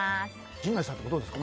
陣内さん、どうですか？